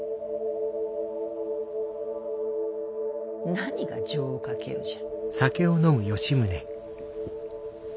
何が情をかけよじゃ。